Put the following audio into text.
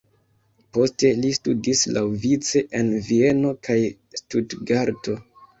Poste li studis laŭvice en Vieno kaj Stutgarto.